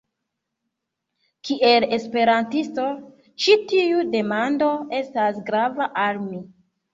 Kiel Esperantisto, ĉi tiu demando estas grava al mi.